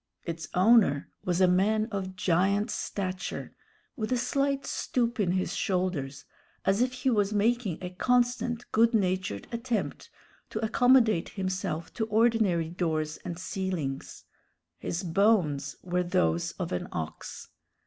Its owner was a man of giant stature, with a slight stoop in his shoulders, as if he was making a constant good natured attempt to accommodate himself to ordinary doors and ceilings. His bones were those of an ox.